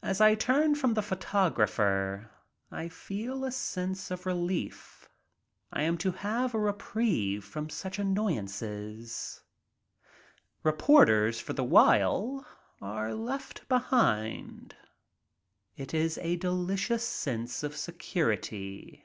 As I turn from the photographer I feel a sense of relief. I am to have a reprieve from such annoyances. Reporters for the while are left behind. It is a delicious sense of security.